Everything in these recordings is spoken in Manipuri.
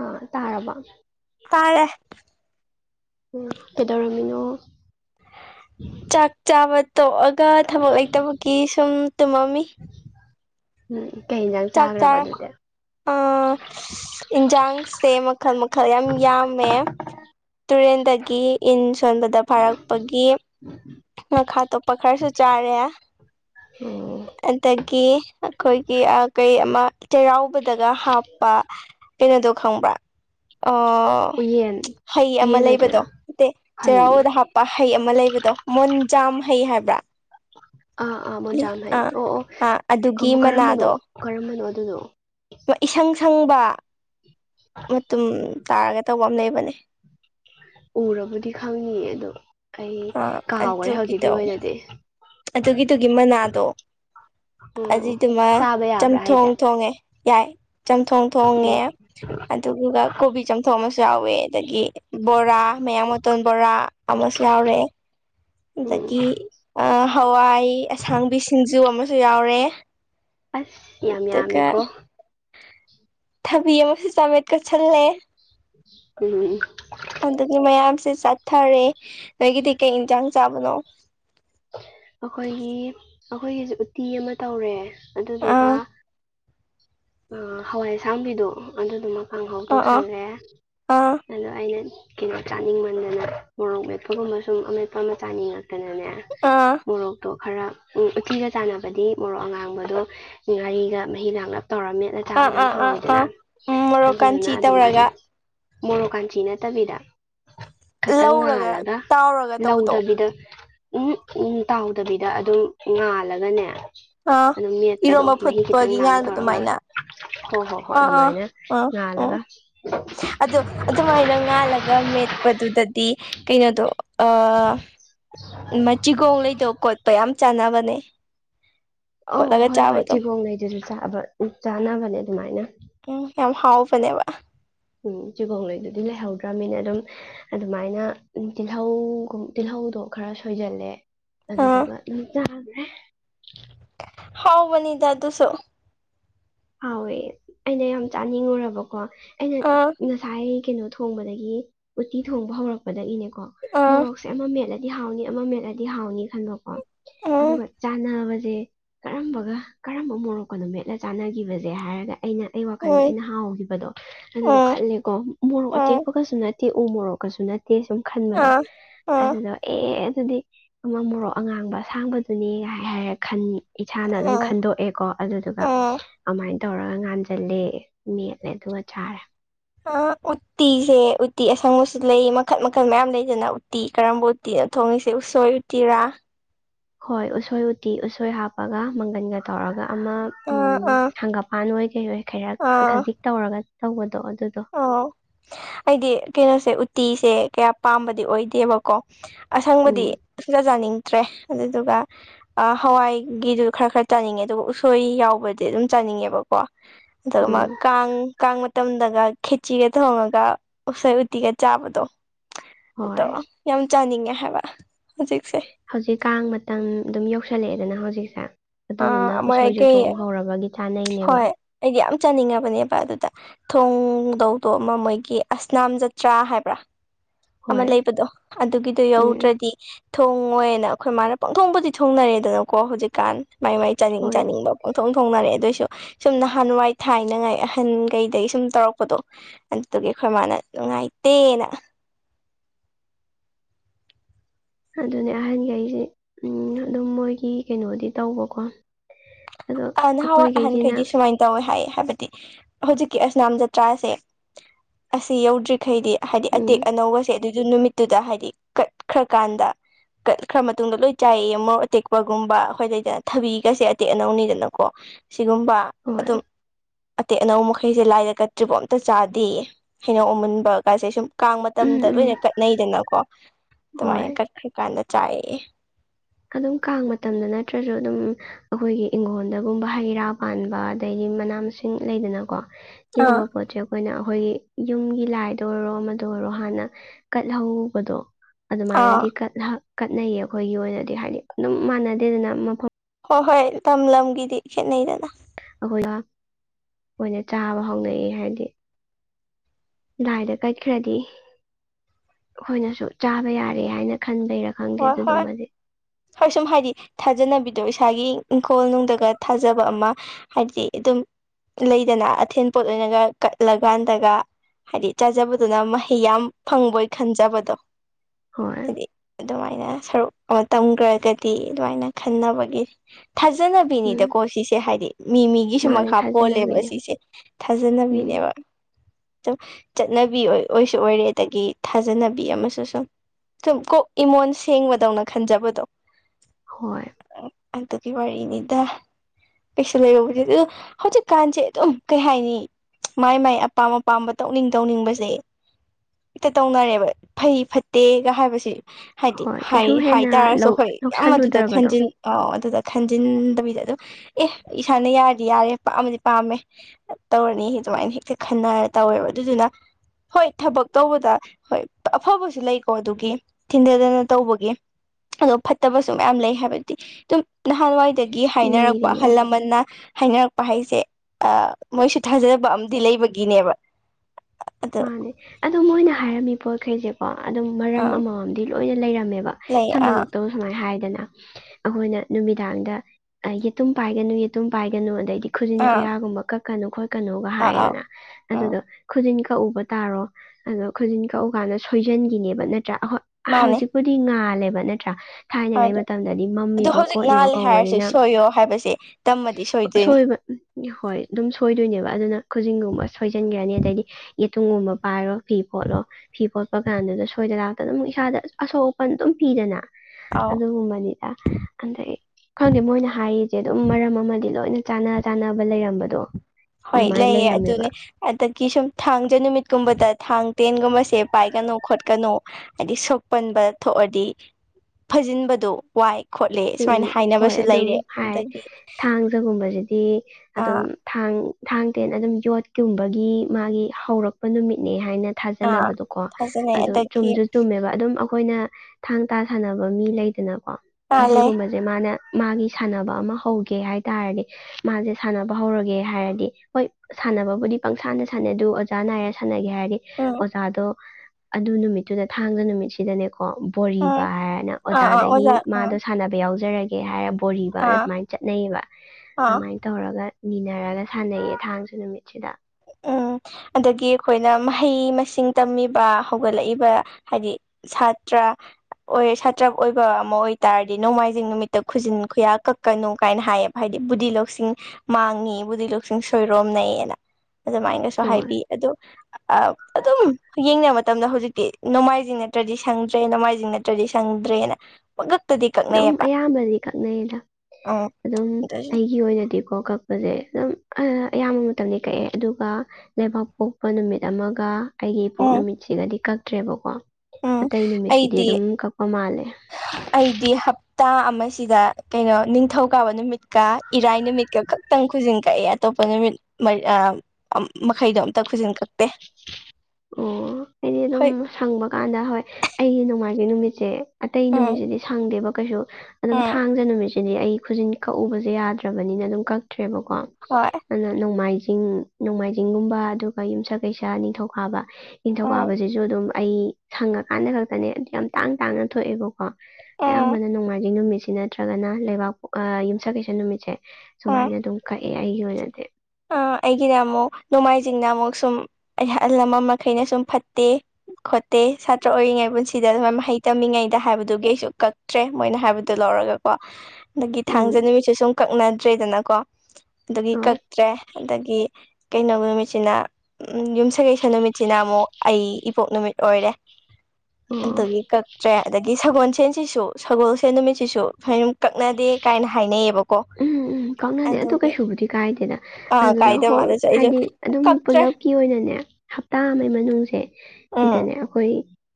ꯑꯥ ꯇꯥꯔꯕ ꯇꯥꯔꯦ꯫ ꯎꯝ ꯀꯩꯗꯧꯔꯃꯤꯅꯣ꯫ ꯆꯥꯛ ꯆꯥꯕ ꯇꯣꯛꯑꯒ ꯊꯕꯛ ꯂꯩꯇꯕꯒꯤ ꯁꯨꯝ ꯇꯨꯝꯃꯝꯃꯤ꯫ ꯎꯝ ꯀꯩ ꯏꯟꯖꯥꯡ ꯆꯥꯒꯔ꯭ꯕ ꯑꯗꯨꯗꯤ꯫ ꯑ ꯏꯟꯖꯥꯡꯁꯦ ꯃꯈꯜ ꯃꯈꯜ ꯌꯥꯝ ꯌꯥꯝꯃꯦ꯫ ꯇꯨꯔꯦꯟꯗꯒꯤ ꯏꯟ ꯁꯣꯟꯕꯗ ꯐꯥꯔꯛꯄꯒꯤ ꯉꯥꯈꯥ ꯇꯣꯞꯄ ꯈꯔꯁꯨ ꯆꯥꯔꯦ꯫ ꯎꯝ ꯑꯗꯒꯤ ꯑꯩꯈꯣꯏꯒꯤ ꯑꯛ ꯀꯩ ꯑꯃ ꯆꯩꯔꯥꯎꯕꯗꯒ ꯍꯥꯞꯄ ꯀꯩꯅꯣꯗꯣ ꯈꯪꯕ꯭ꯔꯥ ꯑ ꯎꯌꯦꯟ ꯍꯩ ꯑꯃ ꯎꯌꯦꯟ ꯂꯩꯕꯗꯣ ꯑꯣꯏꯗꯣꯏꯔꯥ ꯅꯠꯇꯦ ꯍꯩꯌꯦ ꯆꯩꯔꯥꯎꯕꯗ ꯍꯥꯞ ꯄꯥꯥ ꯍꯩ ꯑꯃ ꯂꯩꯕꯗꯣ ꯃꯣꯟꯖꯥꯝ ꯍꯩ ꯍꯥꯏꯕ꯭ꯔꯥ꯫ ꯑꯥ ꯑꯥ ꯃꯣꯟꯖꯥꯝ ꯍꯥꯩ ꯑꯥ ꯑꯣ ꯑꯣ ꯑꯥ ꯀꯝ ꯑꯗꯨꯒꯤ ꯀꯔꯝꯕꯅꯣ ꯀꯔꯝꯕꯅꯣ ꯑꯗꯨꯅꯣ꯫ ꯃ ꯏꯁꯪ ꯁꯪꯕꯥ꯫ ꯃꯇꯨꯝ ꯇꯥꯔꯒ ꯇꯧꯕ ꯑꯃ ꯂꯩꯕꯅꯦ꯫ ꯎꯔꯕꯨꯗꯤ ꯈꯪꯅꯤꯌꯦ ꯑꯗꯣ꯫ ꯑꯩ ꯑꯥ ꯀꯥꯎꯈ꯭ꯔꯦ ꯍꯧꯖꯤꯛꯀꯤ ꯑꯗꯨꯒꯤꯗꯣ ꯑꯣꯏꯅꯗꯤ꯫ ꯑꯗꯨꯒꯤꯗꯨꯒꯤ ꯃꯅꯥꯗꯣ ꯎꯝ ꯑꯗꯨꯏꯗꯨꯃ ꯆꯥꯕ ꯌꯥꯕ꯭ꯔꯥ ꯆꯝꯊꯣꯡ ꯍꯥꯏꯁꯦ ꯊꫭꯡ ꯊꯣꯡꯉꯦ ꯌꯥꯏ ꯆꯝꯊꯣꯡ ꯊꯣꯡꯉꯦ꯫ ꯎꯝ ꯑꯗꯨꯒꯗꯨꯒ ꯀꯣꯕꯤ ꯆꯥꯝꯊꯣꯛ ꯑꯃꯁꯨ ꯌꯥꯎꯋꯦ ꯑꯗꯒꯤ ꯕꯣꯔꯥ ꯃꯌꯥꯡ ꯃꯇꯣꯟ ꯕꯣꯔꯥ ꯑꯃꯁꯨ ꯌꯥꯎꯔꯑꯦ꯫ ꯎꯝ ꯑꯗꯒꯤ ꯍꯋꯥꯏ ꯑꯁꯥꯡꯕꯤ ꯁꯤꯡꯖꯨ ꯑꯃꯁꯨ ꯌꯥꯎꯔꯦ꯫ ꯑꯁ꯫ ꯌꯥꯝ ꯑꯗꯨꯒ ꯌꯥꯝꯃꯦꯀꯣ ꯊꯕꯤ ꯑꯃꯁꯨ ꯆꯥꯃꯦꯠ ꯀꯠꯁꯜꯂꯦ꯫ [unintelligible] ꯑꯗꯒꯤ ꯃꯌꯥꯝꯁꯦ ꯆꯠꯊꯔꯦ ꯅꯣꯏꯒꯤꯗꯤ ꯀꯩ ꯏꯟꯁꯥꯡ ꯆꯥꯕꯅꯣ꯫ ꯑꯩꯈꯣꯏꯒꯤ ꯑꯩꯈꯣꯏꯒꯤꯁꯨ ꯎꯠꯇꯤ ꯑꯃ ꯇꯧꯔꯦ ꯑꯗꯨꯗꯨꯒꯥ ꯑꯥ ꯑꯥ ꯍꯋꯥꯏ ꯑꯁꯥꯡꯕꯤꯗꯣ ꯑꯗꯨꯗꯨꯃ ꯀꯥꯡꯍꯧ ꯑꯥ ꯑꯥ ꯇꯧꯁꯜꯂꯦ ꯑꯥ ꯑꯗꯣ ꯑꯩꯅ ꯀꯩꯅꯣ ꯆꯥꯅꯤꯡꯃꯟꯗꯅ ꯃꯣꯔꯣꯛ ꯃꯦꯠꯄꯒꯨꯝꯕ ꯁꯨꯝ ꯑꯃꯦꯠꯄ ꯑꯃ ꯆꯥꯅꯤꯡꯉꯛꯇꯅꯅꯦ ꯑꯥ ꯃꫭꯔꯣꯛ ꯠꯇꯣ ꯈꯔ ꯎꯝ ꯎꯠꯇꯤꯒ ꯆꯥꯟꯅꯕꯗꯤ ꯃꯣꯔꯣꯛ ꯑꯉꯥꯡꯕꯗꯣ ꯉꯥꯔꯤꯒ ꯃꯍꯤ ꯂꯥꯡꯂꯛ ꯇꯧꯔ ꯃꯦꯠꯂ ꯑꯥ ꯆꯥꯕꯗ ꯌꯥꯝ ꯑꯥ ꯑꯥ ꯑꯥ ꯍꯥꯎꯋꯤꯗꯅ ꯎꯝ ꯃꯣꯔꯣꯛ ꯑꯗꯨꯗꯨꯅ ꯀꯥꯟꯆꯤ ꯇꯧꯔꯒ ꯑꯗꯨꯃꯥꯏꯅ ꯃꯣꯔꯣꯛ ꯀꯥꯟꯆꯤ ꯅꯠꯇꯕꯤꯗ꯫ ꯈꯤꯇꯪ ꯂꯧꯔꯒ ꯉꯥꯜꯂꯒ ꯇꯥꯎꯔꯒ ꯇꯧꯕꯗꯣ ꯂꯧꯗꯕꯤꯗ ꯎꯝ ꯇꯥꯎꯗꯕꯤꯗ ꯑꯗꯨꯝ ꯉꯥꯜꯂꯒꯅꯦ ꯑꯥ ꯑꯗꯨꯝ ꯃꯦꯠꯄꯗꯣ ꯏꯔꯣꯝꯕ ꯃꯍꯤ ꯈꯤꯇꯪ ꯐꯨꯠꯄꯒꯤ ꯂꯥꯡꯅ ꯉꯥꯟꯕ ꯇꯧꯔꯒ ꯑꯗꯨꯃꯥꯏꯅ ꯍꯣ ꯍꯣ ꯍꯣꯏ ꯑꯥ ꯑꯥ ꯑꯗꯨꯃꯥꯏꯅ ꯑꯥ ꯎꯝ ꯉꯥꯜꯂꯒ ꯑꯗꯣ ꯑꯗꯨꯃꯥꯏꯅ ꯉꯥꯜꯂꯒ ꯃꯦꯠꯄꯗꯨꯗꯗꯤ ꯀꯩꯅꯣꯗꯣ ꯃꯆꯤꯒꯣꯡ ꯂꯩꯗꯕ ꯈꯣꯠꯄ ꯌꯥꯝ ꯆꯥꯟꯅꯕꯅꯦ ꯑꯧ ꯀꯣꯠꯂꯒ ꯍꯣꯏ ꯍꯣꯏ ꯆꯥꯕꯗꯣ ꯆꯤꯒꯣꯡꯉꯩꯗꯨꯁꯨ ꯆꯥꯅꯕꯅꯦ ꯑꯗꯨꯃꯥꯏꯅ ꯌꯥꯝ ꯍꯥꯎꯕꯅꯦꯕ ꯎꯝ ꯆꯤꯒꯣꯡꯂꯩꯗꯨꯗꯤ ꯂꯩꯍꯧꯗ꯭ꯔꯃꯤꯅ ꯑꯗꯨꯝ ꯑꯗꯨꯃꯥꯏꯅ ꯇꯤꯜꯍꯧꯒ ꯇꯤꯜꯍꯧꯗꯣ ꯈꯔ ꯁꯣꯏꯖꯜꯂꯦ ꯑꯥ ꯑꯗꯨꯗꯨꯒ ꯑꯗꯨꯝ ꯆꯥꯒ꯭ꯔꯦ ꯍꯥꯎꯕꯅꯤꯗ ꯑꯗꯨꯁꯨ ꯍꯥꯎꯋꯦ ꯑꯩꯅ ꯌꯥꯝ ꯆꯥꯅꯤꯡꯉꯨꯔꯕꯀꯣ ꯑꯩꯅ ꯑꯥ ꯉꯁꯥꯏ ꯀꯩꯅꯣ ꯊꯣꯡꯕꯗꯒꯤ ꯎꯇꯤ ꯊꯣꯡꯕ ꯍꯧꯔꯛꯄꯗꯒꯤꯅꯦꯀꯣ ꯑꯥ ꯃꯣꯔꯣꯛ ꯁ ꯑꯃ ꯃꯦꯠꯂꯗꯤ ꯍꯥꯎꯅꯤ ꯑꯃ ꯃꯦꯠꯂꯗꯤ ꯍꯥꯎꯅꯤ ꯈꯟꯕꯀꯣ ꯎꯝ ꯑꯗꯨꯒ ꯆꯥꯟꯅꯕꯁꯦ ꯀꯔꯝꯕꯒ ꯀꯔꯝꯕ ꯃꯣꯔꯣꯛꯀꯅꯣ ꯃꯦꯠꯂ ꯆꯥꯟꯅꯈꯤꯕꯁꯦ ꯍꯥꯏꯔꯒ ꯑꯩꯅ ꯑꯩ ꯋꯥꯈꯜꯗ ꯎꯝ ꯑꯩꯅ ꯍꯥꯎꯍꯈꯤꯕꯗꯣ ꯑꯗꯨꯗꯣ ꯎꯝ ꯈꯜꯂꯦꯀꯣ ꯃꯣꯔꯣꯛ ꯎꯝ ꯑꯇꯦꯛꯄꯒꯁꯨ ꯅꯠꯇꯦ ꯎ ꯃꯣꯔꯣꯛꯀꯁꯨ ꯅꯠꯇꯦ ꯅꯠꯇꯦ ꯁꯨꯝ ꯈꯟꯕꯗꯣ ꯑꯥ ꯑꯥ ꯑꯗꯨꯗ ꯑꯦ ꯑꯗꯨꯗꯤ ꯑꯃ ꯃꯣꯔꯣꯛ ꯑꯉꯥꯡꯕ ꯑꯁꯥꯡꯕꯗꯨꯅꯤ ꯍꯥꯏꯔꯦ ꯈꯟ ꯏꯁꯥꯅ ꯑꯗꯨꯝ ꯑꯥ ꯈꯟꯗꯣꯛꯑꯦꯀꯣ ꯑꯗꯨꯗꯨꯒ ꯑꯥ ꯑꯗꯨꯃꯥꯏꯅ ꯇꯧꯔꯒ ꯉꯥꯟꯁꯤꯜꯂꯦ ꯃꯦꯠꯂꯦ ꯑꯗꯨꯒ ꯆꯥꯔꯦ ꯑ ꯎꯇꯤꯁꯦ ꯎꯇꯤ ꯑꯁꯪꯕꯁꯨ ꯂꯩ ꯃꯈꯜ ꯃꯈꯜ ꯃꯌꯥꯝ ꯂꯩꯗꯅ ꯎꯠꯇꯤ ꯀꯔꯝꯕ ꯊꯣꯡꯉꯁꯤ ꯎꯁꯣꯏ ꯎꯇꯤꯔꯥ ꯍꯣꯏ ꯎꯁꯣꯏ ꯎꯇꯤ ꯎꯁꯣꯏ ꯍꯥꯞꯄꯒ ꯃꯪꯒꯟꯒ ꯇꯧꯔꯒ ꯑꯃ ꯑꯥ ꯎꯝ ꯑꯥ ꯍꯥꯡꯒꯞ ꯃꯄꯥꯟꯣꯏ ꯀꯩꯍꯣꯏ ꯈꯔ ꯑꯥ ꯈꯖꯤꯛ ꯇꯧꯔꯒ ꯇꯧꯕꯗꯣ ꯑꯗꯨꯗꯣ ꯑꯣ ꯑꯩꯗꯤ ꯀꯩꯅꯣꯁꯦ ꯎꯇꯤꯁꯦ ꯀꯌꯥ ꯄꯥꯝꯕꯗꯤ ꯑꯣꯏꯗꯦꯕꯀꯣ ꯑꯁꯪꯕꯗꯤ ꯎꯝ ꯁꯨꯡꯖ ꯌꯥꯅꯤꯡꯗ꯭ꯔꯦ ꯑꯗꯨꯗꯨꯒ ꯑ ꯍꯋꯥꯏꯒꯤꯗꯨ ꯈꯔ ꯈꯔ ꯆꯥꯅꯤꯡꯉꯦ ꯑꯗꯨꯒ ꯎꯁꯣꯏ ꯌꯥꯎꯕꯗꯤ ꯑꯗꯨꯝ ꯆꯥꯅꯤꯡꯉꯦꯕꯀꯣ ꯑꯗꯨꯒ ꯃꯥ ꯎꯝ ꯀꯥꯡ ꯀꯥꯡ ꯃꯇꯝꯗꯒ ꯈꯦꯆꯤꯒ ꯊꯣꯡꯉꯒ ꯎꯁꯥꯏ ꯎꯇꯤꯒ ꯆꯥꯕꯗꯣ ꯍꯣꯏ ꯑꯗꯣ ꯌꯥꯝ ꯆꯥꯅꯤꯡꯉꯦ ꯍꯥꯏꯕ ꯍꯧꯖꯤꯛꯁꯦ ꯍꯧꯖꯤꯛ ꯀꯥꯡ ꯃꯇꯝ ꯑꯗꯨꯝ ꯌꯧꯁꯜꯂꯛꯑꯦꯗꯅ ꯍꯧꯖꯤꯛꯁꯦ ꯑꯗꯨꯗꯨꯅ ꯑ ꯃꯣꯏ ꯑꯁꯣꯏꯖꯨ ꯀꯩ ꯆꯣꯡ ꯍꯧꯧꯔꯕꯒꯤ ꯆꯥꯅꯩꯅꯦꯕ ꯍꯣꯏ ꯑꯩꯗꯤ ꯌꯥꯝ ꯆꯥꯅꯤꯡꯉꯕꯅꯦꯕ ꯑꯗꯨꯗ ꯊꯣꯡꯗꯧꯗꯣ ꯑꯃ ꯃꯣꯏꯒꯤ ꯑꯁꯅꯥꯝ ꯖꯇ꯭ꯔꯥ ꯍꯥꯏꯕ꯭ꯔꯥ ꯑꯃ ꯍꯣꯏ ꯂꯩꯕꯗꯣ ꯑꯗꯨꯒꯤꯗꯣ ꯎꯝ ꯌꯧꯗ꯭ꯔꯗꯤ ꯊꯣꯡꯉꯣꯏꯅ ꯑꯩꯈꯣꯏ ꯃꯥꯅ ꯄꯪꯊꯣꯡꯕꯨꯗꯤ ꯊꯣꯡꯅꯔꯦꯗꯅꯀꯣ ꯍꯧꯖꯤꯛꯀꯥꯟ ꯃꯥꯏ ꯃꯥꯏ ꯆꯥꯅꯤꯡ ꯍꯣꯏ ꯆꯥꯅꯤꯡꯕ ꯑꯣꯟꯊꯣꯡ ꯊꯣꯡꯅꯔꯦ ꯑꯗꯨꯑꯣꯏꯁꯨ ꯁꯨꯝ ꯅꯍꯥꯟꯋꯥꯏ ꯊꯥꯏꯅꯉꯥꯏ ꯑꯍꯟꯈꯩꯗꯒꯤ ꯁꯨꯝ ꯇꯧꯔꯛꯄꯗꯣ ꯑꯗꯨꯗꯨꯒꯤ ꯑꯩꯈꯣꯏ ꯃꯥꯅ ꯅꯨꯡꯉꯥꯏꯇꯦꯅ ꯑꯗꯨꯅꯦ ꯑꯍꯟꯒꯤ ꯑꯩꯁꯦ ꯑꯗꯨꯝ ꯃꯣꯏꯒꯤ ꯀꯩꯅꯣꯗꯤ ꯇꯧꯕꯀꯣ ꯑꯗꯣ ꯑꯍ ꯅꯍꯥꯟꯋꯥꯢ ꯑꯍꯟ ꯀꯩꯗꯤ ꯑꯩꯈꯣꯏꯈꯩꯁꯤꯅ ꯁꯨꯃꯥꯏ ꯇꯧꯋꯦ ꯍꯥꯏꯌꯦ ꯍꯥꯏꯕꯗꯤ ꯍꯧꯖꯤꯛꯀꯤ ꯑꯁꯅꯥꯝ ꯖꯇ꯭ꯔꯥꯁꯦ ꯑꯁꯤ ꯌꯧꯗ꯭ꯔꯤꯈꯩꯗꯤ ꯍꯥꯏꯗꯤ ꯑꯇꯦꯛ ꯎꯝ ꯑꯅꯧꯕꯁꯦ ꯑꯗꯨꯏꯗꯨ ꯅꯨꯃꯤꯠꯇꯨꯗ ꯍꯥꯏꯗꯤ ꯀꯠꯈ꯭ꯔꯀꯥꯟꯗ ꯀꯠꯈ꯭ꯔ ꯃꯇꯨꯡꯗ ꯂꯣꯏ ꯆꯥꯏꯑꯌꯦ ꯃꯣꯔꯣꯛ ꯑꯇꯦꯛꯄꯒꯨꯝꯕ ꯑꯩꯈꯣꯏꯗꯩꯗꯅ ꯊꯕꯤꯒꯁꯦ ꯑꯇꯦꯛ ꯑꯅꯧꯅꯤꯗꯅ ꯀꯣ ꯁꯤꯒꯨꯝꯕ ꯍꯣꯏ ꯑꯗꯨꯝ ꯑꯇꯦꯛ ꯑꯅꯧ ꯃꯈꯩꯁꯦ ꯂꯥꯏꯗ ꯀꯠꯇ꯭ꯔꯤꯕꯣ ꯑꯝꯇ ꯆꯥꯗꯦꯌꯦ ꯍꯩꯅꯧ ꯑꯃꯨꯟꯕ ꯀꯥꯏꯁꯦ ꯁꯨꯝ ꯀꯥꯡ ꯎꯝ ꯃꯇꯝꯗ ꯎꯝ ꯂꯣꯏꯅ ꯀꯠꯅꯩꯗꯅꯀꯣ ꯑꯗꯨꯃꯥꯏꯅ ꯍꯣꯏ ꯀꯠꯈ꯭ꯔ ꯀꯥꯟꯗ ꯆꯥꯏꯌꯦꯌꯦ ꯑꯗꯨꯝ ꯀꯥꯡ ꯃꯇꯝꯗ ꯅꯠꯇ꯭ꯔꯖꯨ ꯑꯗꯨꯝ ꯑꯈꯣꯏꯒꯤ ꯏꯪꯒꯣꯟꯗꯒꯨꯝꯕ ꯍꯩ ꯔꯥ ꯄꯥꯟꯕ ꯑꯗꯩꯗꯤ ꯃꯅꯥ ꯃꯁꯤꯡ ꯂꯩꯗꯅꯀꯣ ꯑꯥ ꯁꯤꯒꯨꯝꯕ ꯄꯣꯠꯁꯦ ꯈꯣꯏꯅ ꯑꯍꯣꯏꯒꯤ ꯌꯨꯝꯒꯤ ꯂꯥꯏꯗ ꯑꯣꯏꯔꯣ ꯑꯃꯗ ꯑꯣꯏꯔꯣ ꯍꯥꯟꯅ ꯀꯠꯍꯧꯕꯗꯣ ꯑꯥ ꯑꯗꯨꯃꯥꯏꯅꯗꯤ ꯀꯠꯍꯥ ꯀꯠꯅꯩꯌꯦ ꯑꯈꯣꯏꯒꯤ ꯑꯣꯏꯅꯗꯤ ꯍꯥꯏꯗꯤ ꯑꯗꯨꯝ ꯃꯥꯟꯅꯗꯦꯗꯅ ꯃꯐꯝ ꯍꯣ ꯍꯣꯏ ꯂꯝ ꯂꯝꯒꯤꯗꯤ ꯈꯦꯠꯅꯩꯗꯅ ꯑꯈꯣꯏꯒ ꯑꯣꯏꯅ ꯆꯥꯕ ꯍꯧꯅꯩꯌꯦ ꯍꯥꯏꯗꯤ ꯂꯥꯏꯗ ꯀꯠꯈ꯭ꯔꯗꯤ ꯑꯩꯈꯣꯏꯅꯁꯨ ꯆꯥꯕ ꯌꯥꯔꯦ ꯍꯥꯏꯅ ꯈꯟꯕꯩꯔ ꯍꯣ ꯍꯣꯏ ꯍꯣꯏ ꯁꯨꯝ ꯍꯥꯏꯗꯤ ꯊꯥꯖꯅꯕꯤꯗꯣ ꯏꯁꯥꯒꯤ ꯏꯪꯈꯣꯜꯅꯨꯡꯗꯒ ꯊꯥꯖꯕ ꯑꯃ ꯍꯥꯏꯗꯤ ꯑꯗꯨꯝ ꯂꯩꯗꯅ ꯑꯊꯦꯟ ꯄꯣꯠ ꯑꯣꯏꯅꯒ ꯀꯠꯂꯀꯥꯟꯗꯒ ꯍꯥꯏꯗꯤ ꯆꯥꯖꯕꯗꯨꯒ ꯃꯍꯩ ꯌꯥꯝ ꯐꯪꯕꯣꯏ ꯈꯟꯖꯕꯗꯣ ꯍꯣꯏ ꯍꯥꯏꯗꯤ ꯑꯗꯨꯃꯥꯏꯅ ꯁꯔꯨꯛ ꯑꯃ ꯇꯝꯒ꯭ꯔꯒꯗꯤ ꯑꯗꯨꯃꯥꯏꯅ ꯈꯟꯅꯕꯒꯤ ꯎꯝ ꯊꯥꯖꯅꯕꯤꯅꯤꯗꯀꯣ ꯁꯤꯁꯦ ꯍꯥꯏꯗꯤ ꯃꯤ ꯃꯤꯒꯤꯁꯨ ꯃꯥꯅꯦ ꯃꯈꯥ ꯄꯣꯜꯂꯦꯕ ꯊꯥꯖꯅꯕꯤꯅꯦ ꯁꯤꯁꯦ ꯎꯝ ꯊꯥꯖꯅꯕꯤꯅꯦꯕ ꯑꯗꯨ ꯆꯠꯅꯕꯤ ꯑꯣꯏ ꯑꯣꯏꯁꯨ ꯑꯣꯏꯔꯦ ꯑꯗꯒꯤ ꯊꯥꯖꯅꯕꯤ ꯑꯃꯁꯨ ꯁꯨꯝ ꯁꯨꯝ ꯀꯣꯛ ꯏꯃꯣꯟ ꯁꯦꯡꯕꯗꯧꯅ ꯈꯟꯖꯕꯗꯣ ꯍꯣꯏ ꯑꯪ ꯑꯗꯨꯒꯤ ꯋꯥꯔꯤꯅꯤꯗ ꯀꯩꯁꯨ ꯂꯩꯕꯕꯨꯗꯤ ꯑꯗꯨ ꯍꯧꯖꯤꯛꯀꯥꯟꯁꯦ ꯑꯗꯨꯝ ꯀꯩ ꯍꯥꯏꯅꯤ ꯃꯥꯏ ꯃꯥꯏ ꯑꯄꯥꯝ ꯑꯄꯥꯝꯕ ꯇꯧꯅꯤꯡ ꯇꯧꯅꯤꯡꯕꯖꯦ ꯍꯦꯛꯇ ꯇꯧꯅꯔꯦꯕ ꯐꯩ ꯐꯠꯇꯦꯒ ꯍꯥꯏꯕꯁꯤ ꯍꯥꯏꯗꯤ ꯍꯣꯏ ꯍꯥꯏ ꯀꯩꯁꯨ ꯍꯦꯟꯅ ꯍꯥꯏꯇꯥꯔꯁꯨ ꯂꯧ ꯑꯈꯣꯏ ꯌꯥꯝ ꯑꯗꯨꯗ ꯂꯧꯁꯜꯂꯨꯗ꯭ꯔꯕꯗꯣ ꯈꯟꯖꯤꯟ ꯑꯧ ꯑꯗꯨꯗ ꯈꯟꯖꯤꯟꯗꯕꯤꯗ ꯑꯗꯨꯝ ꯑꯦ ꯏꯁꯥꯅ ꯌꯥꯔꯗꯤ ꯌꯥꯔꯦ ꯄꯥꯝꯃꯗꯤ ꯄꯥꯝꯃꯦ ꯇꯧꯔꯅꯤ ꯑꯗꯨꯃꯥꯏꯅ ꯍꯦꯛꯇ ꯈꯟꯅꯔ ꯇꯧꯋꯦꯕ ꯑꯗꯨꯗꯨꯅ ꯍꯣꯏ ꯊꯕꯛ ꯇꯧꯕꯗ ꯍꯣꯏ ꯑꯐꯕꯁꯨ ꯂꯩꯀꯣ ꯑꯗꯨꯒꯤ ꯊꯤꯟꯗꯥꯗꯅ ꯇꯧꯕꯒꯤ ꯑꯗꯣ ꯐꯠꯇꯕꯁꯨ ꯃꯌꯥꯝ ꯂꯩ ꯍꯥꯏꯕꯗꯤ ꯑꯗꯨꯝ ꯅꯍꯥꯟꯋꯥꯏ ꯗꯒꯤ ꯍꯥꯏꯅꯔꯛꯄ ꯂꯩꯔꯤꯅꯦ ꯑꯍꯜ ꯂꯃꯟꯅ ꯍꯥꯏꯅꯔꯛꯄ ꯄꯥ ꯍꯥꯏꯁꯦ ꯑ ꯃꯣꯏꯁꯨ ꯊꯥꯖꯕ ꯑꯝꯗꯤ ꯂꯩꯕꯒꯤꯅꯦꯕ ꯑꯗꯣ ꯃꯥꯅꯦ ꯑꯗꯣ ꯃꯣꯏꯅ ꯍꯥꯏꯔꯝꯃꯤ ꯄꯣꯠꯈꯩꯖꯦ ꯀꯣ ꯑꯗꯨꯝ ꯃꯔꯝ ꯑꯥ ꯑꯃꯃꯝꯗꯤ ꯂꯣꯏꯅ ꯂꯩꯔꯝꯃꯦꯕ ꯂꯩ ꯑꯥ ꯁꯝꯅꯃꯛꯇꯕꯨ ꯁꯨꯃꯥꯏꯅ ꯍꯥꯏꯗꯅ ꯑꯈꯣꯏꯅ ꯅꯨꯃꯤꯗꯥꯡꯗ ꯑ ꯌꯦꯇꯨꯝ ꯄꯥꯏꯒꯅꯨ ꯌꯦꯇꯨꯝ ꯄꯥꯏꯒꯅꯨ ꯑꯗꯩꯗꯤ ꯈꯨꯖꯤꯟ ꯑꯥ ꯈꯨꯌꯥꯒꯨꯝꯕ ꯀꯛꯀꯅꯨ ꯈꯣꯠꯀꯅꯨꯒ ꯑꯥ ꯑꯥ ꯍꯥꯏꯌꯦꯗꯅ ꯑꯥ ꯑꯗꯨꯗꯣ ꯈꯨꯖꯤꯟ ꯀꯛꯎꯕ ꯇꯥꯔꯣ ꯑꯗꯣ ꯈꯨꯟꯖꯤꯟ ꯀꯛꯎ ꯀꯥꯟꯗ ꯁꯣꯏꯖꯟꯒꯤꯅꯦꯕ ꯅꯠꯇ꯭ꯔ ꯑꯍꯣꯏ ꯃꯥꯅꯦ ꯍꯧꯖꯤꯛ ꯄꯨꯗꯤ ꯉꯥꯜꯂꯦꯕ ꯅꯠꯇ꯭ꯔꯥ ꯊꯥꯏꯅꯉꯩ ꯑꯗꯨ ꯃꯇꯝꯗꯗꯤ ꯑꯗꯨ ꯃꯝꯃꯤꯕ ꯍꯧꯖꯤꯛ ꯈꯣꯠꯂꯤꯕ ꯅꯥꯜꯂꯦ ꯍꯥꯏꯔꯁꯨ ꯀꯧꯕꯅꯤꯅ ꯁꯣꯏꯌꯣ ꯍꯥꯏꯕꯁꯦ ꯇꯝꯃꯗꯤ ꯁꯣꯏꯗꯣꯏꯅꯤ ꯑꯁꯣꯏꯕ ꯍꯣꯏ ꯑꯗꯨꯝ ꯁꯣꯏꯗꯣꯏꯅꯦꯕ ꯑꯗꯨꯅ ꯈꯨꯖꯤꯡꯒꯨꯝꯕ ꯁꯣꯏꯖꯟꯒ꯭ꯔꯅꯤ ꯑꯗꯩꯗꯤ ꯌꯦꯇꯨꯝꯒꯨꯝꯕ ꯄꯥꯏꯔꯣ ꯐꯤ ꯐꯣꯠꯂꯣ ꯐꯤ ꯐꯣꯠꯄ ꯀꯥꯟꯗꯨꯗ ꯁꯣꯏꯗ ꯂꯥꯛꯇꯅ ꯑꯗꯨꯝ ꯏꯁꯥꯗ ꯑꯁꯣꯛ ꯑꯄꯟ ꯑꯗꯨꯝ ꯄꯤꯗꯅ ꯑꯥꯎ ꯑꯗꯨꯒꯨꯝꯕꯅꯤꯗ ꯑꯗꯒꯤ ꯈꯪꯗꯦ ꯃꯣꯏꯅ ꯍꯥꯏꯔꯤꯖꯦ ꯑꯗꯨꯝ ꯃꯔꯝ ꯑꯃꯗꯤ ꯂꯣꯏꯅ ꯆꯥꯅ ꯆꯥꯅꯕ ꯂꯩꯔꯝꯕꯗꯣ ꯍꯣꯏ ꯑꯗꯨꯃꯥꯏꯅ ꯂꯩꯌꯦ ꯂꯩꯔꯝꯃꯦꯕ ꯑꯗꯨꯅꯦ ꯑꯗꯒꯤ ꯁꯨꯝ ꯊꯥꯡꯖ ꯅꯨꯃꯤꯠꯀꯨꯝꯕꯗ ꯊꯥꯡ ꯇꯦꯟꯒꯨꯝꯕꯁꯦ ꯄꯥꯏꯒꯅꯨ ꯈꯣꯠꯀꯅꯨ ꯑꯩꯗꯤ ꯁꯣꯛꯄꯟꯕ ꯊꯣꯑꯔꯗꯤ ꯐꯖꯤꯟꯕꯗꯣ ꯋꯥꯏ ꯈꯣꯠꯂꯦ ꯁꯨꯃꯥꯏꯅ ꯎꯝ ꯍꯣꯏ ꯍꯥꯏꯅꯕꯁꯨ ꯑꯗꯨꯝ ꯂꯩꯔꯦ ꯍꯥꯏ ꯑꯗꯒꯤ ꯊꯥꯡꯖꯒꯨꯝꯕꯖꯤꯗꯤ ꯑꯗꯨꯝ ꯑꯥ ꯊꯥꯡ ꯊꯥꯡ ꯇꯦꯟ ꯑꯗꯨꯝ ꯌꯣꯠꯀꯨꯝꯕꯒꯤ ꯃꯥꯒꯤ ꯍꯧꯔꯛꯄ ꯅꯨꯃꯤꯠꯅꯦ ꯍꯥꯏꯅ ꯑꯥ ꯊꯥꯖꯅꯕꯗꯣꯀꯣ ꯊꯥꯖꯅꯩ ꯑꯗꯣ ꯑꯗꯒꯤ ꯆꯨꯝꯖꯨ ꯆꯨꯝꯃꯦꯕ ꯑꯗꯨꯝ ꯈꯣꯏꯅ ꯊꯥꯡ ꯇꯥ ꯁꯥꯟꯅꯕ ꯃꯤ ꯂꯩꯗꯅꯀꯣ ꯑꯥ ꯂꯩ ꯑꯁꯤꯒꯨꯝꯕ ꯖꯦ ꯃꯥꯅ ꯃꯥꯒꯤ ꯁꯥꯟꯅꯕ ꯑꯃ ꯍꯧꯒꯦ ꯍꯥꯏꯇꯥꯔꯗꯤ ꯃꯥꯖꯦ ꯁꯥꯟꯅꯕ ꯍꯧꯔꯒꯦ ꯍꯥꯏꯔꯗꯤ ꯍꯣꯏ ꯁꯥꯟꯅꯕꯕꯨꯗꯤ ꯄꯪꯁꯥꯟꯗ ꯁꯥꯟꯅꯩ ꯑꯗꯨ ꯑꯣꯖꯥ ꯅꯥꯏꯔ ꯁꯥꯟꯅꯒꯦ ꯍꯥꯏꯔꯗꯤ ꯗꯤ ꯎꯝ ꯑꯣꯖꯥꯗꯣ ꯑꯗꯨ ꯅꯨꯃꯤꯠꯇꯨꯗ ꯊꯥꯡꯖ ꯅꯨꯃꯤꯠꯁꯤꯗꯅꯦꯀꯣ ꯕꯣꯔꯤꯕ ꯎꯝ ꯍꯥꯏꯔꯅ ꯑꯥ ꯑꯥ ꯑꯣꯖꯥꯗꯒꯤ ꯑꯣꯖꯥ ꯑꯥ ꯃꯥꯗꯣ ꯁꯥꯟꯅꯕ ꯌꯥꯎꯖꯔꯛ ꯒꯦ ꯍꯥꯏꯔ ꯕꯣꯔꯤꯕꯅ ꯑꯥ ꯑꯗꯨꯃꯥꯏꯟ ꯆꯠꯅꯩꯑꯕ ꯑꯥ ꯑꯗꯨꯃꯥꯏꯟ ꯇꯧꯔꯒ ꯅꯤꯅꯔꯒ ꯁꯥꯟꯅꯩꯌꯦ ꯊꯥꯡꯖ ꯅꯨꯃꯤꯠꯁꯤꯗ ꯎꯝ ꯑꯗꯒꯤ ꯑꯈꯣꯏꯅ ꯃꯍꯩ ꯃꯁꯤꯡ ꯇꯝꯃꯤꯕ ꯍꯧꯒꯠꯂꯛꯏꯕ ꯍꯥꯏꯗꯤ ꯁꯥꯇ꯭ꯔ ꯑꯣꯏ ꯁꯥꯇ꯭ꯔ ꯑꯣꯏꯕ ꯑꯃ ꯑꯣꯏꯇꯥꯔꯗꯤ ꯅꯣꯡꯃꯥꯏꯖꯤꯡ ꯅꯨꯃꯤꯠꯇ ꯈꯨꯖꯤꯟ ꯈꯨꯌꯥ ꯀꯛꯀꯅꯨ ꯀꯥꯏꯅ ꯍꯥꯏꯌꯦꯕ ꯍꯥꯏꯗꯤ ꯕꯨꯙꯤ ꯂꯧꯁꯤꯡ ꯃꯥꯡꯉꯤ ꯕꯨꯙꯤ ꯂꯧꯁꯤꯡ ꯁꯣꯏꯔꯣꯝꯅꯩꯑꯅ ꯑꯗꯨꯃꯥꯏꯅꯁꯨ ꯍꯣꯏ ꯍꯥꯏꯕꯤ ꯑꯗꯣ ꯑ ꯑꯗꯨꯝ ꯌꯦꯡꯅ ꯃꯇꯝꯗ ꯍꯧꯖꯤꯛꯇꯤ ꯅꯣꯡꯃꯥꯏꯖꯤꯡ ꯅꯠꯇ꯭ꯔꯗꯤ ꯁꯪꯗ꯭ꯔꯦ ꯅꯣꯡꯃꯥꯏꯖꯤꯡ ꯅꯠ ꯇꯔ꯭ ꯗꯤ ꯁꯪꯗ꯭ꯔꯦꯅ ꯄꯪꯀꯛꯇꯗꯤ ꯀꯛ ꯑꯗꯨꯝ ꯑꯌꯥꯝꯕꯗꯤ ꯀꯛꯅꯩꯌꯦꯗ ꯎꯝ ꯑꯗꯨꯝ ꯑꯗꯨꯏꯁꯨ ꯑꯩꯒꯤ ꯑꯣꯏꯅꯗꯤ ꯀꯣ ꯀꯛꯄꯖꯦ ꯑꯗꯨꯝ ꯑꯌꯥꯝꯕ ꯃꯇꯝꯗꯤ ꯀꯛꯑꯦ ꯑꯗꯨꯒ ꯂꯩꯕꯥꯛ ꯄꯣꯛꯄ ꯅꯨꯃꯤꯠ ꯑꯃꯒ ꯑꯩꯒꯤ ꯏꯄꯣꯛ ꯎꯝ ꯅꯨꯃꯤꯠꯁꯤꯒꯗꯤ ꯀꯛꯇ꯭ꯔꯦꯕꯀꯣ ꯎꯝ ꯑꯇꯩ ꯅꯨꯃꯤꯠꯁꯤꯗꯤ ꯑꯩꯗꯤ ꯑꯗꯨꯝ ꯀꯛꯄ ꯃꯥꯜꯂꯦ ꯑꯩꯗꯤ ꯍꯞ ꯇꯥ ꯑꯃꯁꯤꯗ ꯀꯩꯅꯣ ꯅꯤꯡꯊꯧꯀꯥꯕ ꯅꯨꯃꯤꯠꯀ ꯏꯔꯥꯏ ꯅꯨꯃꯤꯠꯀ ꯈꯛ ꯇꯪ ꯈꯨꯖꯤꯟ ꯀꯛꯑꯦ ꯑꯇꯣꯞꯄ ꯅꯨꯃꯤꯠ ꯃꯔꯤ ꯃꯈꯩꯗꯣ ꯑꯝꯇ ꯈꯨꯖꯤꯟ ꯀꯛꯇꯦ ꯑꯣ ꯑꯩꯗꯤ ꯑꯗꯨꯝ ꯍꯣꯏ ꯍꯪꯕ ꯀꯥꯟꯗ ꯍꯣꯏ ꯑꯩꯒꯤ ꯅꯣꯡꯃꯥꯏꯖꯤꯡ ꯅꯨꯃꯤꯠꯁꯦ ꯑꯇꯩ ꯎꯝ ꯅꯨꯃꯤꯠꯁꯤꯗꯤ ꯁꯪꯗꯦꯕ ꯀꯩꯁꯨ ꯑꯗꯨꯝ ꯎꯝ ꯊꯥꯡꯖ ꯅꯨꯃꯤꯠꯁꯦ ꯁꯤꯗꯤ ꯑꯩ ꯈꯨꯖꯤꯟ ꯀꯛꯎꯕꯖꯦ ꯌꯥꯗ꯭ꯔꯕꯅꯤꯅ ꯑꯗꯨꯝ ꯀꯛꯇ꯭ꯔꯦꯕꯀꯣ ꯍꯣꯏ ꯑꯗꯨꯅ ꯅꯣꯡꯃꯥꯏꯖꯤꯡ ꯅꯣꯡꯃꯥꯏꯖꯤꯡꯒꯨꯝꯕ ꯑꯗꯨꯒ ꯌꯨꯝꯁꯥ ꯀꯩꯁꯥ ꯅꯤꯡꯊꯧꯀꯥꯕ ꯎꯝ ꯅꯤꯡꯊꯧꯀꯥꯕꯖꯤꯖꯨ ꯗꯨꯝ ꯑꯩ ꯁꯪꯉꯀꯥꯟꯗ ꯈꯛꯇꯅꯦ ꯑꯗꯨ ꯌꯥꯝ ꯇꯥꯡ ꯇꯥꯡꯅ ꯊꯣꯑꯦꯕ ꯀꯣ ꯎꯝ ꯑꯌꯥꯝꯕꯅ ꯅꯣꯡꯃꯥꯏꯖꯤꯡ ꯅꯨꯃꯤꯠꯁꯤ ꯅꯠꯇ꯭ꯔꯒꯅ ꯂꯩꯕꯥꯛꯄꯣꯛ ꯑꯥ ꯌꯨꯝꯁꯥ ꯀꯩꯁꯥ ꯅꯨꯃꯤꯠꯁꯦ ꯎꯝ ꯁꯨꯃꯥꯏꯅ ꯗꯨꯝ ꯀꯑꯦ ꯑꯩꯒꯤ ꯑꯣꯏꯅꯗꯤ ꯑ ꯑꯩꯒꯤꯅ ꯑꯃꯨꯛ ꯅꯣꯡꯃꯥꯏꯖꯤꯡꯅ ꯑꯃꯨꯛ ꯁꯨꯝ ꯑꯍꯜ ꯂꯃꯟ ꯃꯈꯩꯅ ꯁꯨꯝ ꯐꯠꯇꯦ ꯈꯣꯠꯇꯦ ꯁꯥꯇ꯭ꯔ ꯑꯣꯏꯔꯤꯉꯩ ꯄꯨꯟꯁꯤꯗ [unintelligible] ꯃꯍꯩ ꯇꯝꯃꯤꯉꯩꯗ ꯍꯥꯏꯕꯗꯨꯒꯤ ꯑꯩꯁꯨ ꯀꯛ ꯇ꯭ꯔꯦ ꯃꯣꯏꯅ ꯍꯥꯏꯕꯗꯣ ꯂꯧꯔꯒꯀꯣ ꯗꯒꯤ ꯎꯝ ꯊꯥꯡꯖ ꯅꯨꯃꯤꯠꯁꯨ ꯁꯨꯝ ꯀꯛꯅꯗ꯭ꯔꯦꯗꯅꯀꯣ ꯑꯗꯒꯤ ꯍꯣꯏ ꯀꯛꯇ꯭ꯔꯦ ꯑꯗꯒꯤ ꯀꯩꯅꯣ ꯅꯨꯃꯤꯠꯁꯤꯅ ꯎꯝ ꯌꯨꯝꯁꯀꯩꯁ ꯅꯨꯃꯤꯠꯁꯤꯅ ꯑꯃꯨꯛ ꯑꯩ ꯏꯄꯣꯛ ꯅꯨꯃꯤꯠ ꯑꯣꯏꯔꯦ ꯑꯣ ꯑꯣ ꯑꯗꯒꯤ ꯀꯛ ꯇ꯭ꯔꯦ ꯑꯗꯒꯤ ꯁꯒꯣꯟꯁꯦꯟꯁꯤꯁꯨ ꯁꯒꯣꯜꯁꯦꯟ ꯅꯨꯃꯤꯠꯁꯤꯁꯨ [unintelligible] ꯀꯛꯅꯗꯦ ꯀꯥꯏꯅ ꯍꯥꯏꯅꯩꯑꯕ ꯎꯝ ꯎꯝ ꯀꯛꯅꯗꯦ ꯑꯗꯨ ꯀꯩꯁꯨꯕꯨꯗꯤ ꯀꯥꯏꯗꯦꯗ ꯑꯥ ꯑꯗꯨꯗ ꯀꯥꯏꯗ ꯍꯣꯜ ꯃꯥꯜꯂꯁꯨ ꯑꯩꯁꯨ ꯍꯥꯏꯗꯤ ꯑꯗꯨꯝ ꯀꯛꯇ꯭ꯔꯦ ꯄꯨꯂꯞ ꯀꯤ ꯑꯣꯏꯅꯅꯦ ꯍꯞꯇꯥ ꯑꯃꯩ ꯃꯅꯨꯡꯁꯦ ꯎꯝ ꯁꯤꯗꯅꯦ ꯑꯈꯣꯏ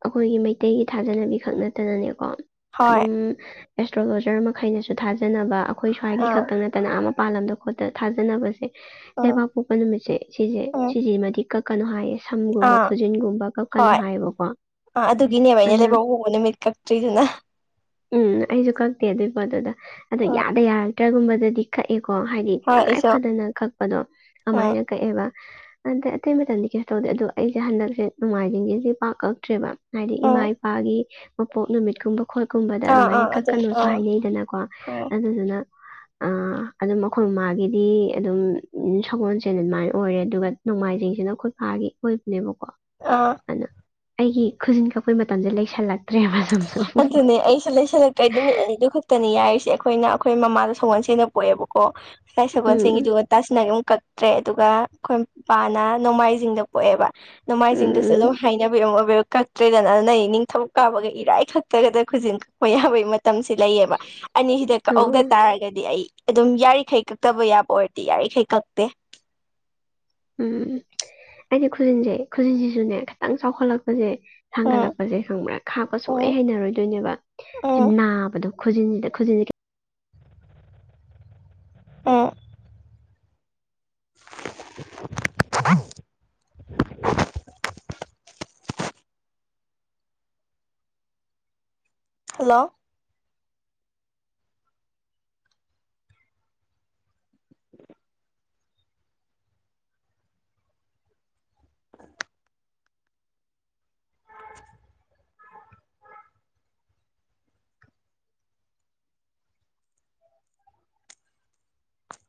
ꯑꯈꯣꯏꯒꯤ ꯃꯩꯇꯩꯒꯤ ꯊꯥꯖꯅꯕꯤ ꯈꯛ ꯅꯠꯇꯅꯅꯦꯀꯣ ꯍꯣꯏ ꯑꯗꯨꯝ ꯑꯦꯁꯇ꯭ꯔꯣꯂꯣꯖꯔ ꯃꯈꯩꯅꯁꯨ ꯊꯥꯖꯅꯕ ꯑꯩꯈꯣꯏ ꯁ꯭ꯋꯥꯏꯒꯤ ꯑꯥ ꯈꯛꯇ ꯅꯠꯇꯅ ꯑꯥ ꯃꯄꯥꯜꯂꯝꯗ ꯈꯣꯠꯇ ꯊꯥꯖꯅꯕꯁꯦ ꯎꯝ ꯂꯩꯕꯥꯛ ꯄꯣꯛꯄ ꯅꯨꯃꯤꯠꯁꯦ ꯁꯤꯁꯦ ꯎꯝ ꯁꯤꯁꯤꯃꯗꯤ ꯀꯛ ꯀꯅꯣ ꯍꯥꯏꯌꯦ ꯁꯝꯒꯨꯝꯕ ꯑꯥ ꯈꯨꯖꯤꯟꯒꯨꯝꯕ ꯀꯛ ꯀꯅꯣ ꯍꯣꯏ ꯍꯥꯏꯌꯦꯕꯀꯣ ꯑꯥ ꯑꯗꯨꯒꯤꯅꯦꯕ ꯑꯩꯅ ꯑꯗꯨꯅ ꯂꯩꯕꯥꯛ ꯄ‌ꯣꯛꯄ ꯅꯨꯃꯤꯠ ꯀꯛꯇ꯭ꯔꯤꯗꯨꯅ ꯎꯝ ꯑꯩꯁꯨ ꯀꯛꯇꯦ ꯑꯗꯨꯏ ꯄꯣꯠꯇꯨꯗ ꯑꯗꯣ ꯎꯝ ꯌꯥꯗ ꯌꯥꯔꯛꯇ꯭ꯔꯥꯒꯨꯝꯕꯗꯗꯤ ꯀꯛꯏꯀꯣ ꯍꯥꯏꯗꯤ ꯍꯣꯏ ꯇꯉꯥꯏ ꯑꯩꯁꯨ ꯐꯗꯅ ꯀꯛꯄꯗꯣ ꯎꯝ ꯑꯃꯥꯏꯅ ꯀꯛꯑꯦꯕ ꯑꯗꯩ ꯑꯇꯩ ꯃꯇꯝꯗꯤ ꯀꯩꯁꯨ ꯇꯧꯗꯦ ꯑꯗꯣ ꯑꯩꯁꯦ ꯍꯟꯗꯛꯁꯦ ꯅꯣꯡꯃꯥꯏꯖꯤꯡꯒꯤꯁꯦ ꯄꯥꯛ ꯀꯛꯇ꯭ꯔꯦꯕ ꯍꯥꯏꯗꯤ ꯏꯃꯥ ꯎꯝ ꯏꯄꯥꯒꯤ ꯃꯄꯣꯛ ꯅꯨꯃꯤꯠ ꯀꯨꯝꯕ ꯈꯣꯠꯀꯨꯝꯕꯗ ꯑꯥ ꯑꯥ ꯑꯗꯨꯃꯥꯏꯅ ꯑꯗꯨꯝ ꯀꯛꯀꯅꯨꯁꯨ ꯑꯥ ꯍꯥꯏꯅꯩꯗꯅꯀꯣ ꯍꯣꯏ ꯑꯗꯨꯗꯨꯅ ꯑꯥ ꯑꯗꯨꯝ ꯑꯩꯈꯣꯏ ꯃꯃꯥꯒꯤꯗꯤ ꯑꯗꯨꯝ ꯁꯒꯣꯜꯁꯦꯟ ꯑꯗꯨꯃꯥꯏꯅ ꯑꯣꯏꯔꯦ ꯑꯗꯨꯒ ꯅꯣꯡꯃꯥꯏꯖꯤꯡꯁꯤꯅ ꯈ‌ꯣꯏ ꯄꯥꯒꯤ ꯑꯣꯏꯕꯅꯦꯕꯀꯣ ꯑꯥ ꯑꯗꯨ ꯑꯩꯒꯤ ꯈꯨꯖꯤꯟ ꯀꯛꯄꯩ ꯃꯇꯝꯁꯦ ꯂꯩꯁꯤꯜꯂꯛ ꯑꯗꯨꯅꯦ ꯑꯩꯁꯨ ꯂꯩꯁꯤꯜꯂꯛ ꯑꯩ ꯅꯨꯃꯤꯠ ꯑꯅꯤꯗꯨ ꯈꯛꯇꯅꯤ ꯌꯥꯔꯤꯁꯦ ꯑꯩꯈꯣꯏꯅ ꯑꯩꯈꯣꯏ ꯃꯃꯥꯗ‌ꯣ ꯁꯒꯣꯜꯁꯦꯟꯗ ꯄꯣꯛꯑꯦꯕꯀꯣ ꯏꯁꯥꯏ ꯎꯝ ꯎꯝ ꯁꯒꯣꯜꯁ‌ꯦꯟꯒꯤꯗꯨ ꯇꯥꯁꯤꯟꯅꯔ‌ꯦ ꯑꯃꯨꯛ ꯀꯛꯇ꯭ꯔꯦ ꯑꯗꯨꯒ ꯑꯩꯈꯣꯏ ꯄꯥꯅ ꯅꯣꯡꯃꯥꯏꯖꯤꯡꯗ ꯄꯣꯛꯑꯦꯕ ꯎꯝ ꯅꯣꯡꯃꯥꯏꯖꯤꯡꯗꯨꯁꯨ ꯎꯝ ꯑꯗꯨꯝ ꯍꯥꯏꯅꯕꯤ ꯑꯃ ꯑꯣꯏ ꯀꯛꯇ꯭ꯔꯦꯗꯅ ꯑꯗꯨꯅ ꯑꯩ ꯅꯤꯡꯊꯧ ꯀꯥꯕꯒ ꯏꯔꯥꯏ ꯈꯛꯇꯒꯗ ꯈꯨꯖꯤꯟ ꯀꯛꯄ ꯌꯥꯕꯒꯤ ꯃꯇꯝꯁꯤ ꯂꯩꯌꯦꯕ ꯑꯅꯤꯁꯤꯗ ꯑꯣ ꯀꯛꯍꯧꯗ ꯇꯥꯔꯒꯗꯤ ꯑꯗꯨꯗꯤ ꯑꯩ ꯑꯗꯨꯝ ꯌꯥꯔꯤꯈꯩ ꯀꯛꯇꯕ ꯌꯥꯕ ꯑꯣꯏꯔꯗꯤ ꯌꯥꯔꯤꯈꯩ ꯀꯛꯇꯦ ꯎꯝ ꯑꯩꯗꯤ ꯈꯨꯖꯤꯟꯁꯦ ꯈꯨꯖꯤꯟꯁꯤꯁꯨꯅꯦ ꯈꯤꯇꯪ ꯆꯥꯎꯈꯠꯂꯛꯄꯁꯦ ꯎꯝ ꯁꯥꯡꯒꯠꯂꯛꯄꯁꯦ ꯈꯪꯕ꯭ꯔ ꯈꯥꯛꯄ ꯎꯝ ꯁꯨꯡꯍꯩ ꯍꯩꯅꯔꯣꯏꯗꯣꯏꯅꯦꯕ ꯎꯝ ꯅꯥꯕꯗꯣ ꯈꯨꯖꯤꯟꯅꯤꯗ ꯈꯨꯖꯤꯟꯒꯤ ꯑꯥ [unintelligible] ꯍꯜꯂꯣ [unintelligible]